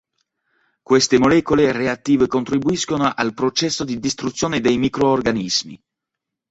Queste molecole reattive contribuiscono al processo di distruzione dei microorganismi.